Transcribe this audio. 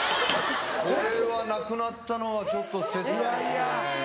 これはなくなったのはちょっと切ないですね。